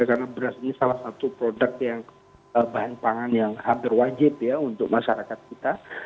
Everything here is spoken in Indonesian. karena beras ini salah satu produk yang bahan pangan yang hampir wajib untuk masyarakat kita